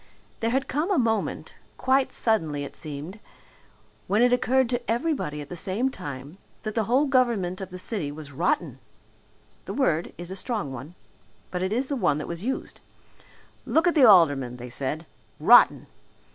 There had come a moment quite suddenly it seemed when it occurred to everybody at the same time that the whole government of the city was rotten. The word is a strong one. But it is the one that was used. Look at the aldermen, they said rotten!